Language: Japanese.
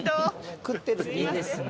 いいですね